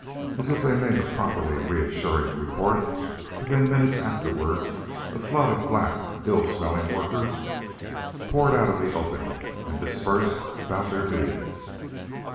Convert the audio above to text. As if they made a properly reassuring report, within minutes afterward, a flood of black, ill smelling workers poured out of the opening and dispersed about their duties.